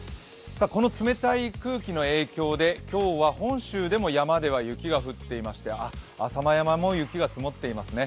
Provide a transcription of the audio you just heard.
この冷たい空気の影響で、今日は本州でも山では雪が降っていまして、浅間山も雪が積もっていますね。